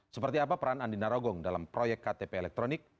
seperti apa peran andi narogong dalam proyek ktp elektronik